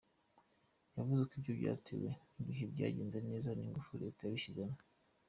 Yavuze ko ibyo byatewe n'ibihe byagenze neza n'ingufu Leta yabishyizemo.